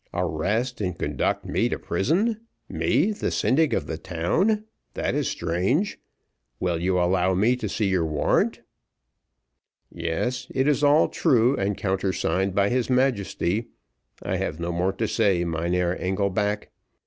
"Arrest and conduct me to prison me the syndic of the town that is strange will you allow me to see your warrant yes, it is all true and countersigned by his Majesty; I have no more to say, Mynheer Engelback.